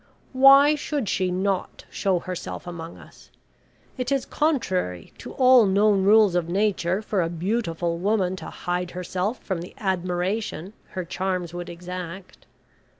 Why should she not show herself among us? It is contrary to all known rules of Nature for a beautiful woman to hide herself from the admiration her charms would exact.